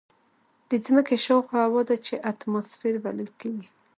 د ځمکې شاوخوا هوا ده چې اتماسفیر بلل کېږي.